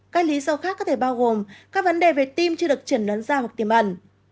các lý do khác có thể bao gồm các vấn đề về tim chưa được chuyển lớn ra hoặc tiềm ẩn